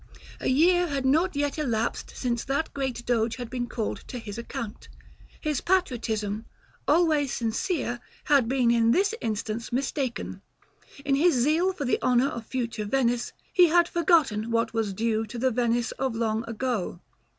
A year had not yet elapsed since that great Doge had been called to his account: his patriotism, always sincere, had been in this instance mistaken; in his zeal for the honor of future Venice, he had forgotten what was due to the Venice of long ago.